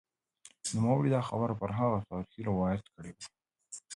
نوموړي دا خبره پر هغه تاریخي روایت کړې وه